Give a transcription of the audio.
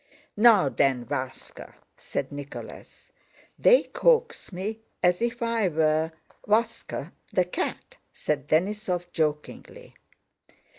"Now then, Váska," said Nicholas. "They coax me as if I were Váska the cat!" said Denísov jokingly.